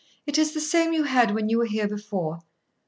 It is the same you had when you were here before.